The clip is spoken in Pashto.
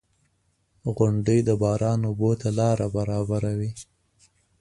• غونډۍ د باران اوبو ته لاره برابروي.